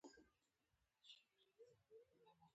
پسرلی د افغانستان د امنیت په اړه هم اغېز لري.